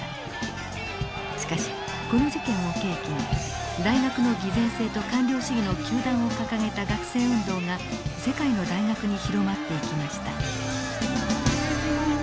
しかしこの事件を契機に大学の偽善性と官僚主義の糾弾を掲げた学生運動が世界の大学に広まっていきました。